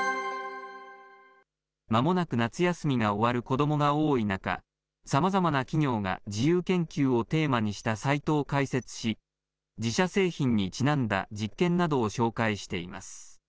まもなく夏休みが終わる子どもが多い中、さまざまな企業が自由研究をテーマにしたサイトを開設し、自社製品にちなんだ実験などを紹介しています。